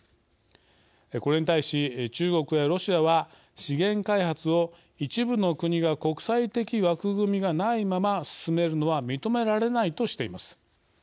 これに対し中国やロシアは資源開発を一部の国が国際的枠組みがないまま進めるのは認められないとしています。